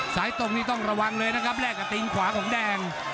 ตรงนี้ต้องระวังเลยนะครับแลกกับตีนขวาของแดง